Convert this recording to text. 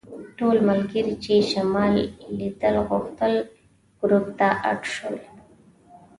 ټول ملګري چې شمال لیدل غوښتل ګروپ ته اډ شول.